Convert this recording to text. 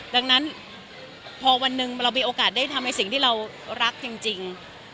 ดังนั้นพอวันหนึ่งเรามีโอกาสได้ทำในสิ่งที่เรารักจริง